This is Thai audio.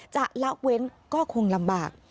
ละเว้นก็คงลำบาก